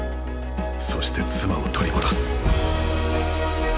そして妻を取り戻す。